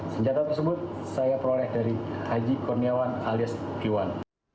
senjata tersebut saya peroleh dari haji kurniawan alias iwan